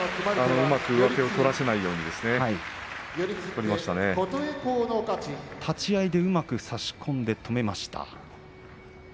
うまく上手を取らせないように立ち合いでうまく差し込んで止めました。